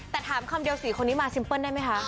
แต่ถามคำเดียว๔คนนี้มาซิมเปิ้ลได้ไหมคะ